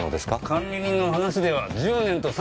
管理人の話では１０年と３か月！